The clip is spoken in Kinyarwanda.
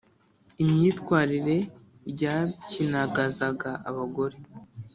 imyitwarire ryapyinagazaga abagore